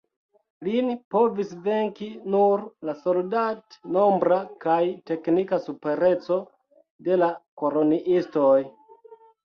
Lin povis venki nur la soldat-nombra kaj teknika supereco de la koloniistoj.